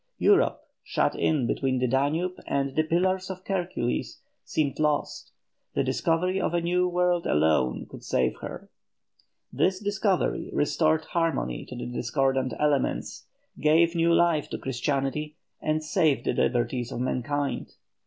Europe, shut in between the Danube and the Pillars of Hercules, seemed lost; the discovery of a new world alone could save her. This discovery restored harmony to the discordant elements, gave new life to Christianity, and saved the liberties of mankind.